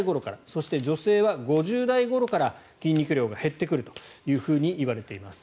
そして女性は５０代ごろから筋肉量が減ってくるといわれています。